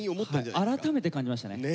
改めて感じましたね。